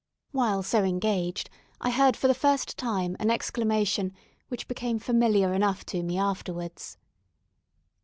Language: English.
While so engaged, I heard for the first time an exclamation which became familiar enough to me afterwards.